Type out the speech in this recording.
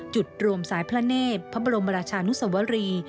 จุดรวมสายพระเนธพระบรมราชานุสวรี